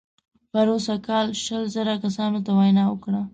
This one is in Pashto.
پروسږ کال شل زره کسانو ته وینا وکړه.